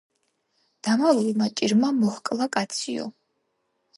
დამალულმა ჭირმა მოჰკლა კაციო.